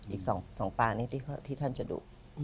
อีก๒ปางนี้ที่ท่านจะดุ